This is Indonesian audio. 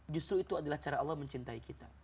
justru itu adalah cara allah mencintai kita